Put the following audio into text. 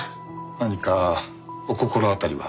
何かお心当たりは？